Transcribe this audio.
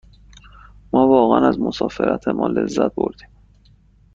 ما واقعاً از مسافرتمان لذت بردیم.